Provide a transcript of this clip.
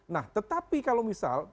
nah tetapi kalau misal